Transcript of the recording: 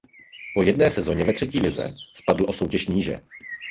Po jedné sezoně ve třetí lize spadl o soutěž níže.